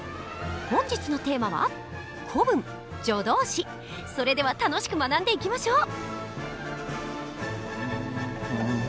本日のテーマはそれでは楽しく学んでいきましょう。